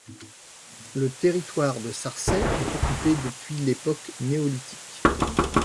Le territoire de Sarcey est occupé depuis l'époque néolithique.